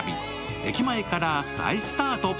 駅前から再スタート。